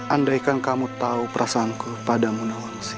andaikan kamu tahu perasaanku padamu nawanci